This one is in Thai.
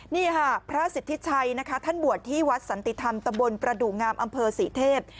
นี่ค่ะพระสิทธิชัยนะคะท่านบวชที่วัดสันติธรรมตำบลประดูกงามอำเภอศรีเทพ